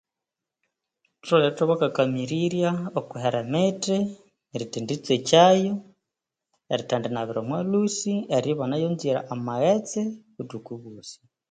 Thutholere ithwabakakamirirya okwi hera emithi erithenditswekyayo, erithendinabira omwa lhusi, eribya ibanayongyire amaghetse obuthuku obosi.